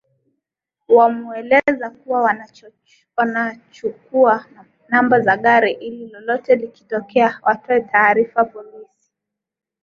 Walimueleza kuwa wanachukuwa namba za gari ili lolote likitokea watoe taarifa polisi